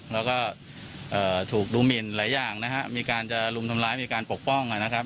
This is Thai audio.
แล้วก็ถูกดูหมินหลายอย่างนะฮะมีการจะรุมทำร้ายมีการปกป้องนะครับ